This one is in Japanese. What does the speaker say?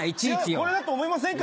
これだと思いませんか？